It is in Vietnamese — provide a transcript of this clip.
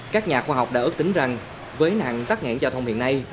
các nhà khoa học đã ước tính rằng với nặng tắt nghẽn giao thông hiện nay